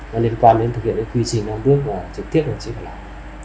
nó liên quan đến thực hiện quy trình năm bước mà trực tiếp họ trực tiếp phải làm